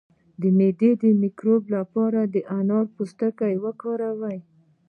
د معدې د مکروب لپاره د انار پوستکی وکاروئ